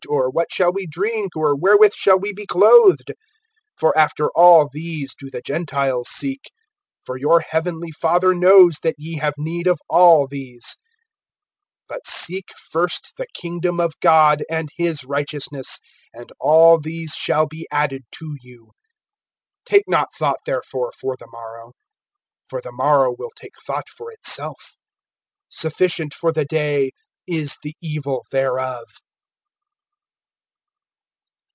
or, What shall we drink? or, Wherewith shall we be clothed? (32)For after all these do the Gentiles seek. For your heavenly Father knows that ye have need of all these. (33)But seek first the kingdom of God, and his righteousness; and all these shall be added to you. (34)Take not thought, therefore, for the morrow; for the morrow will take thought for itself. Sufficient for the day is the evil thereof.